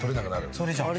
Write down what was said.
それじゃん。